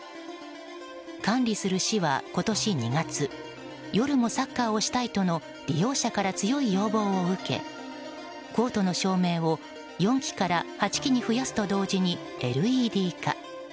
管理する市は今年２月夜もサッカーをしたいとの利用者から強い要望を受けコートの照明を４基から８基に増やすと同時にＬＥＤ化。